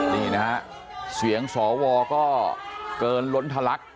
นี่นะฮะเสียงสวก็เกินล้นทะลัก